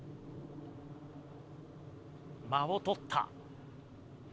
間を取った。